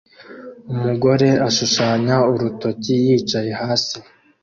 Umugore ashushanya urutoki yicaye hasi